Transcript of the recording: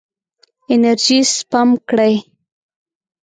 انرژي سپم کړئ.